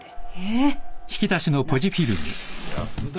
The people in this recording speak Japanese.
安田？